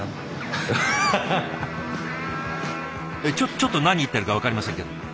ちょっと何言ってるか分かりませんけども。